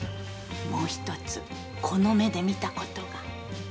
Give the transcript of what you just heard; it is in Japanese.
もう一つこの目で見た事が。